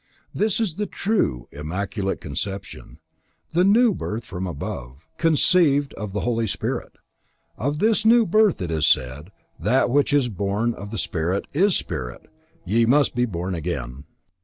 This is the true immaculate conception, the new birth from above, "conceived of the Holy Spirit." Of this new birth it is said: "that which is born of the Spirit is spirit: ye must be born again."